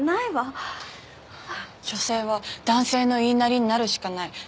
女性は男性の言いなりになるしかない。